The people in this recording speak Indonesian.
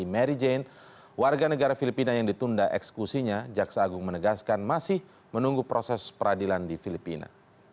mary jane warga negara filipina yang ditunda ekskusinya jaksa agung menegaskan masih menunggu proses peradilan di filipina